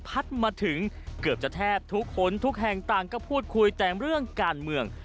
พัดมาถึงเกือบจะแทบทุกคนทุกแห่งต่างก็พูดคุยแต่เรื่องการเมือง